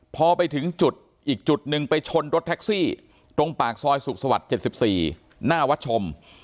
พอไปถึงจุดอีกจุดหนึ่งไปชนรถแท็กซี่ตรงปากซอยสุขสวรรค์๗๔หน้าวัดชม